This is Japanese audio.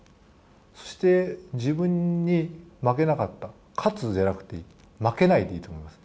そして、自分に負けなかった勝つじゃなくていい負けないでいいと思います。